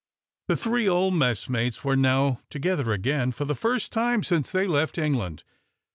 The three old messmates were now together again, for the first time since they left England.